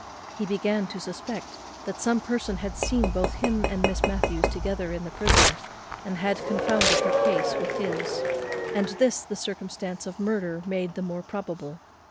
He began to suspect that some person had seen both him and Miss Matthews together in the prison, and had confounded her case with his; and this the circumstance of murder made the more probable.